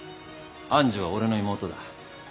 愛珠は俺の妹だ。